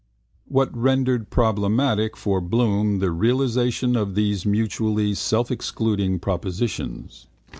What rendered problematic for Bloom the realisation of these mutually selfexcluding propositions?